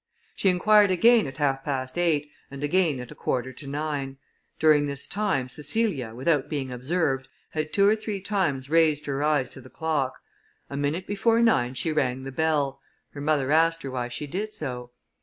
She inquired again at half past eight, and again at a quarter to nine. During this time, Cecilia, without being observed, had two or three times raised her eyes to the clock. A minute before nine she rang the bell; her mother asked her why she did so.